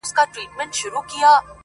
• د ځنګله پاچا ته نوې دا ناره وه -